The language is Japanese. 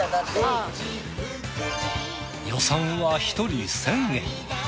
予算は１人１，０００円。